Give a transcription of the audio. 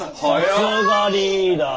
さすがリーダー！